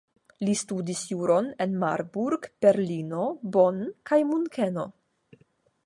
Li studis juron en Marburg, Berlino, Bonn kaj Munkeno.